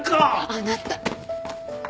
あなた！